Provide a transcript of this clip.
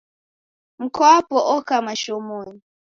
Mkwapo oka mashomonyi.